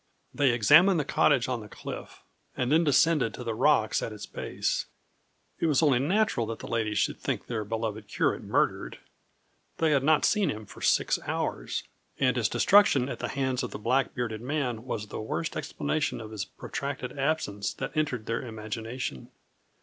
They examined the cottage on the cliff, and then descended to the rocks at its base. It was only natural that the ladies should think their beloved curate murdered. They had not seen him for six hours; and his destruction at the hands of the black bearded man was the worst explanation of his protracted absence that entered their imagination.